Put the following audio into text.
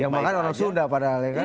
yang makan orang sunda padahal ya kan